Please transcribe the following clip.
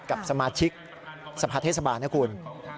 กับสมาชิกสภาเทศบาลนะคุณ